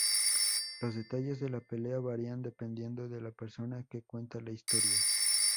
Los detalles de la pelea varían dependiendo de la persona que cuenta la historia.